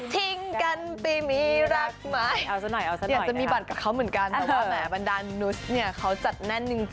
ทิ้งกันไปมีรักไหมอาจจะมีบัตรกับเขาเหมือนกันเพราะว่าแหมบรรดานนุสเนี่ยเขาจัดแน่นจริง